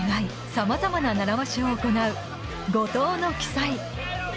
様々な習わしを行う五島の奇祭